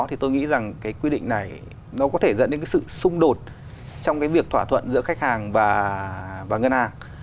thì tôi nghĩ rằng cái quy định này nó có thể dẫn đến cái sự xung đột trong cái việc thỏa thuận giữa khách hàng và ngân hàng